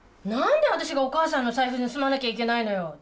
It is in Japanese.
何で私がお母さんの財布盗まなきゃいけないのよ？